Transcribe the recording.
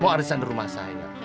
mau arisan di rumah saya